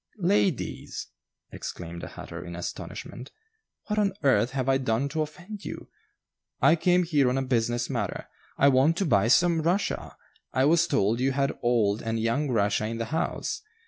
"Ladies!" exclaimed the hatter, in astonishment, "what on earth have I done to offend you? I came here on a business matter. I want to buy some Russia. I was told you had old and young Russia in the house.